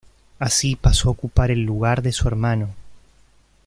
Así pasó a ocupar el lugar de su hermano.